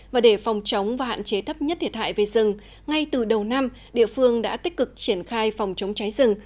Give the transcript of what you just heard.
và để phòng chống và hạn chế thấp nhất thiệt hại về rừng ngay từ đầu năm địa phương đã tích cực triển khai phòng chống cháy rừng